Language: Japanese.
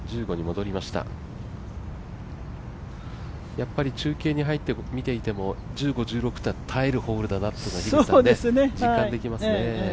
やっぱり中継に入って見ていても１５、１６って耐えるホールだなって実感できますね。